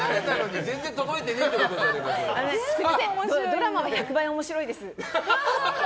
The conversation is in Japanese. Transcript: ドラマの１００倍面白いです。